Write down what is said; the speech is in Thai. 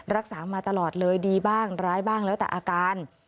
รักษามาตลอดเลยดีบ้างร้ายบ้างแล้วแต่อาการ